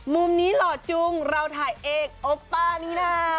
มุมนี้หล่อจุงเราถ่ายเอกโอป้านี่นะ